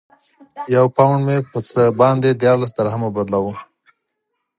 یو پونډ مو په څه باندې دیارلس درهمو بدلاوه.